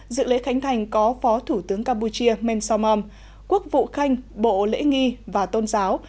dự lễ khánh thành có phó thủ tướng campuchia mensomom quốc vụ khanh bộ lễ nghi và tôn giáo